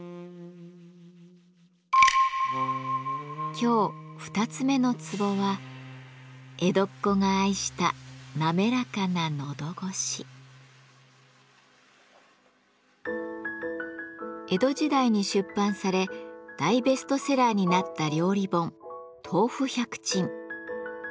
今日二つ目のツボは江戸時代に出版され大ベストセラーになった料理本「豆腐百珍」。